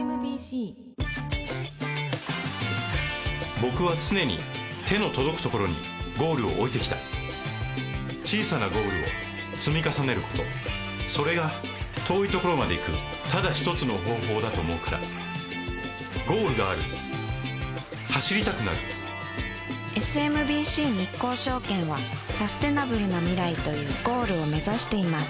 僕は常に手の届くところにゴールを置いてきた小さなゴールを積み重ねることそれが遠いところまで行くただ一つの方法だと思うからゴールがある走りたくなるＳＭＢＣ日興証券はサステナブルな未来というゴールを目指しています